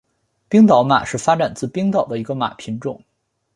冰岛马是发展自冰岛的一个马品种。